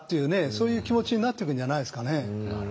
そういう気持ちになってくんじゃないですかね。